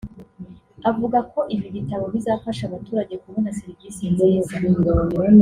avuga ko ibi bitabo bizafasha abaturage kubona serivisi nziza